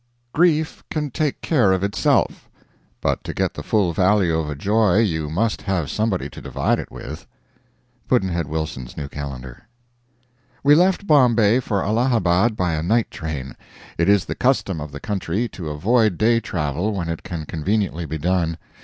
Grief can take care of itself; but to get the full value of a joy you must have somebody to divide it with. Pudd'nhead Wilson's New Calendar. We left Bombay for Allahabad by a night train. It is the custom of the country to avoid day travel when it can conveniently be done.